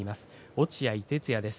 落合哲也です。